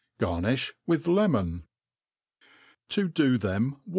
Garnifli with lemon. To do them Whiu.